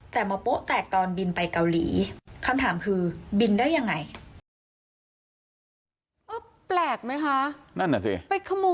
แต่มาโป๊ะแตกตอนบินไปเกาหลีคำถามคือบินได้ยังไง